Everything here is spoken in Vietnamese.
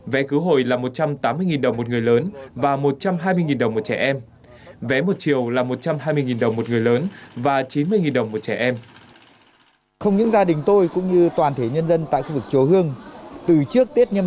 vé cứu hồi là một trăm tám mươi đồng một người lớn và một trăm hai mươi đồng một trẻ em